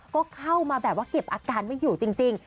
ก็เข้ามาแบบว่าเก็บอาการไม่อยู่จริง